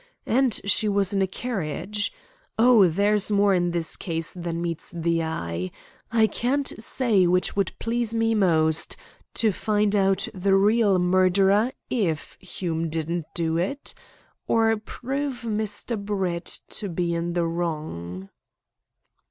And she was in a carriage. Oh, there's more in this case than meets the eye! I can't say which would please me most, to find out the real murderer, if Hume didn't do it, or prove Mr. Brett to be in the wrong!"